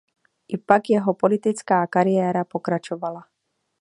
I pak jeho politická kariéra pokračovala.